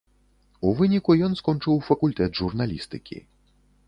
У выніку ён скончыў факультэт журналістыкі.